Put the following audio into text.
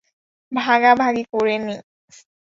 ভাগাভাগি করে নে।